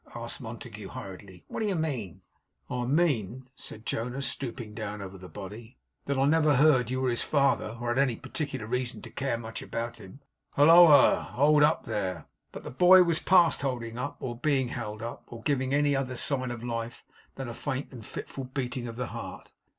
asked Montague, hurriedly. 'What do you mean?' 'I mean,' said Jonas, stooping down over the body, 'that I never heard you were his father, or had any particular reason to care much about him. Halloa. Hold up there!' But the boy was past holding up, or being held up, or giving any other sign of life than a faint and fitful beating of the heart.